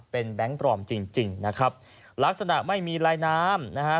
เป็นแบงค์ปลอมจริงจริงนะครับลักษณะไม่มีลายน้ำนะฮะ